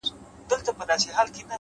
هره تېروتنه د پوهې بیه ده’